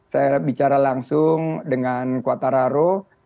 saya bicara langsung dengan quatararo